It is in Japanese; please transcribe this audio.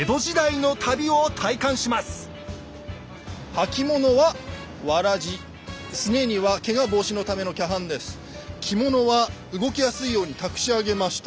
履物はすねにはけが防止のための着物は動きやすいようにたくし上げました。